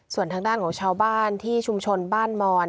ส่วนทางด้านของชาวบ้านที่ชุมชนบ้านมอน